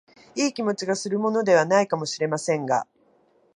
いい気持ちがするものでは無いかも知れませんが、